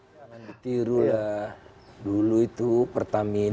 jangan ditiru lah dulu itu pertamina